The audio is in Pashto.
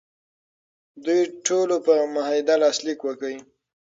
دوی ټولو په معاهده لاسلیک وکړ.